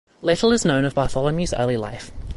Little is known of Bartholomew's early life.